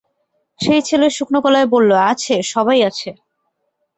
সেই ছেলে শুকনো গলায় বলল, আছে, সবাই আছে।